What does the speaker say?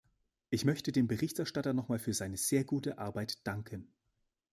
Ich möchte dem Berichterstatter nochmals für seine sehr gute Arbeit danken.